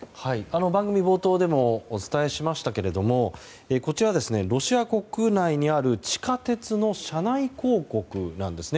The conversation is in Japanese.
番組冒頭でもお伝えしましたけれどもこちら、ロシア国内にある地下鉄の車内広告なんです。